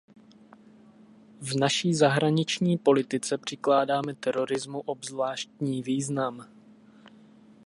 V naší zahraniční politice přikládáme terorismu obzvláštní význam.